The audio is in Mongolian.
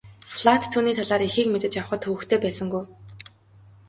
Платт түүний талаар ихийг мэдэж авахад төвөгтэй байсангүй.